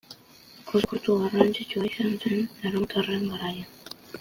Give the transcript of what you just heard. Oso portu garrantzitsua izan zen erromatarren garaian.